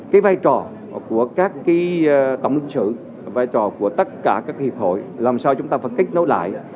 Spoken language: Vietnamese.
cái vai trò của các tổng ứng xử vai trò của tất cả các hiệp hội làm sao chúng ta phải kết nối lại